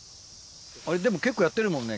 あれ、でも、結構やってるもんね？